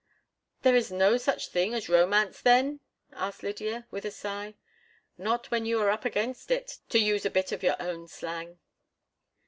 "There is no such thing as romance, then?" asked Lydia, with a sigh. "Not when you are 'up against it,' to use a bit of your own slang."